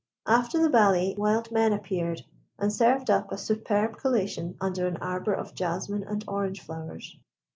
After the ballet wild men appeared, and served up a superb collation under an arbour of jasmine and orange flowers.